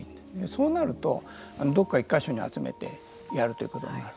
そうなるとどこか１か所に集めてやるということです。